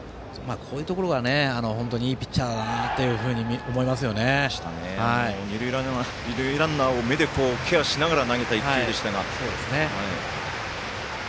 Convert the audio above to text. こういうところが本当にいいピッチャーだな二塁ランナーを目でケアしながら投げた１球でしたが。